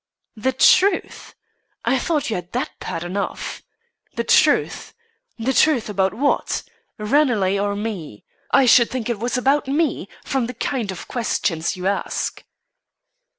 "The truth? I thought you had that pat enough. The truth? The truth about what? Ranelagh or me? I should think it was about me, from the kind of questions you ask."